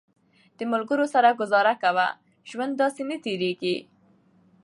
د ملګرو سره ګزاره کوه، ژوند داسې نه تېرېږي